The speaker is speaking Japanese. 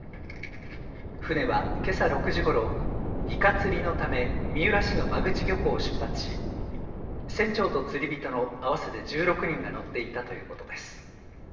船はけさ６時ごろ、イカ釣りのため三浦市の間口漁港を出発し船長と釣り人の合わせて１６人が乗っていたということです。